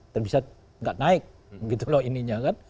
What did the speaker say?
dan bisa nggak naik gitu loh ininya kan